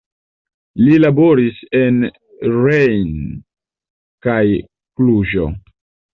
Li laboris en Reghin kaj Kluĵo.